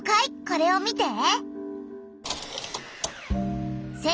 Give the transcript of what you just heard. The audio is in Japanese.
これを見て。